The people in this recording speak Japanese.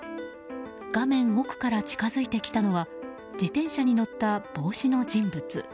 画面奥から近付いてきたのは自転車に乗った帽子の人物。